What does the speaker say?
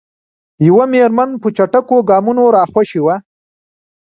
یوه میرمن په چټکو ګامونو راخوشې وه.